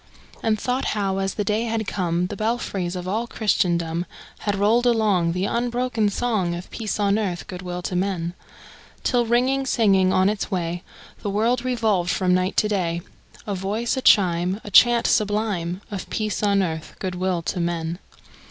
And thought how, as the day had come, The belfries of all Christendom Had rolled along The unbroken song Of peace on earth, good will to men! Till, ringing, singing on its way, The world revolved from night to day, A voice, a chime, A chant sublime Of peace on earth, good will to men!